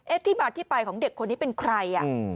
ที่มาที่ไปของเด็กคนนี้เป็นใคร